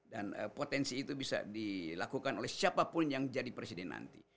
dan potensi itu bisa dilakukan oleh siapapun yang jadi presiden nanti